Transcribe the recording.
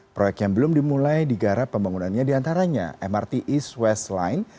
proyek yang belum dimulai digarap pembangunannya diantaranya mrt east westline